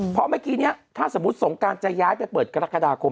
เพราะเมื่อกี้นี้ถ้าสมมุติสงการจะย้ายไปเปิดกรกฎาคม